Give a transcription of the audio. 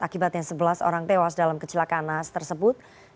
akibatnya sebelas orang tewas dalam kecelakaan nas tersebut